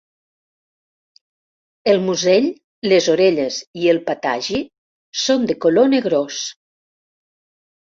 El musell, les orelles i el patagi són de color negrós.